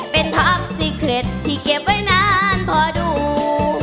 เป็นภาพซีเครดที่เก็บไว้นานพอดู